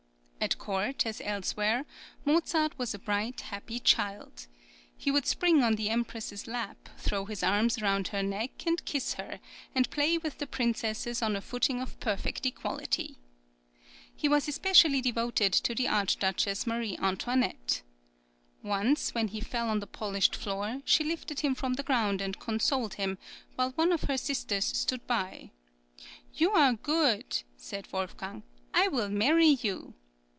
At court, as elsewhere, Mozart was a bright, happy child. He would spring on the Empress's lap, throw his arms round her neck and kiss her, and play with the princesses on a footing of perfect equality. He was especially devoted to the Archduchess Marie Antoinette. Once, when he fell on the polished floor, she lifted him from the ground and consoled him, while one of her sisters stood by: "You are good," said Wolfgang, "I will marry you."